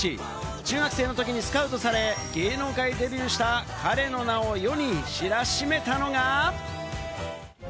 中学生の時にスカウトされ、芸能界デビューした彼の名を世に知らしめたのが。